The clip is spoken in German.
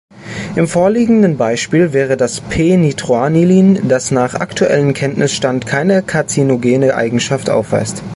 Im vorliegenden Beispiel wäre das p-Nitroanilin, das nach aktuellem Kenntnisstand keine karzinogene Eigenschaft aufweist.